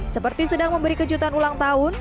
seperti sedang memberi kejutan ulang tahun